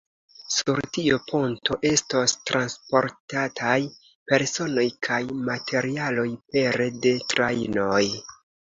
Sur tiu ponto estos transportataj personoj kaj materialoj pere de trajnoj.